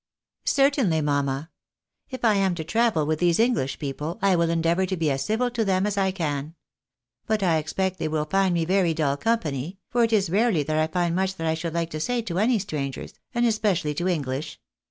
" Certainly, mamma. If I am to travel with these Enghsh people, I will endeavour to be as civil to them as I can. But I expect they will find me very dull company, for it is rarely that I find much that I should like to say to any strangers, and especially to English.